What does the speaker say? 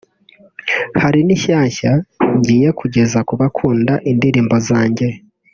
hari n’inshyashya ngiye kugeza ku bakunda indirimbo zanjye